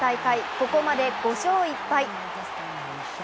ここまで５勝１敗。